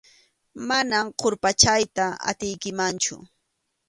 Manam qurpachayta atiykimanchu.